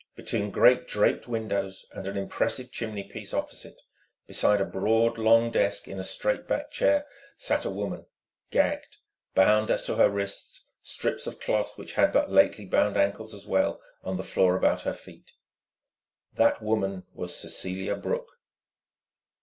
Between great draped windows and an impressive chimney piece opposite, beside a broad, long desk, in a straight backed chair sat a woman, gagged, bound as to her wrists, strips of cloth which had but lately bound ankles as well on the floor about her feet. That woman was Cecelia Brooke.